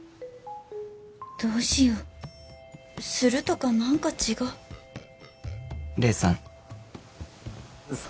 どうしようスるとか何か違う黎さん好き